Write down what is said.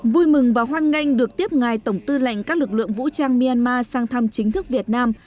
vui mừng và hoan nghênh được tiếp ngài tổng tư lệnh các lực lượng vũ trang myanmar sang thăm chính thức việt nam